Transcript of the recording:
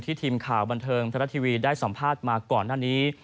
ทีมข่าวบันเทิงทรัฐทีวีได้สัมภาษณ์มาก่อนหน้านี้